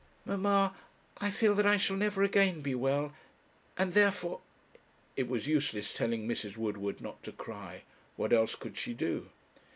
'Mamma, I feel that I shall never again be well, and therefore ' It was useless telling Mrs. Woodward not to cry; what else could she do?